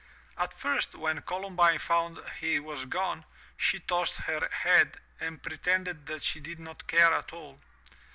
At first, when Columbine found he was gone, she tossed her head and pretended that she did not care at all.